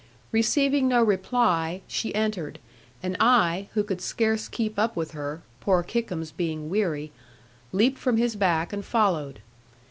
Receiving no reply, she entered; and I (who could scarce keep up with her, poor Kickums being weary) leaped from his back, and followed.